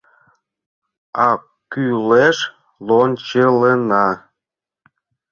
А кӱлеш — лончылена.